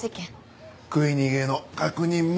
食い逃げの確認も。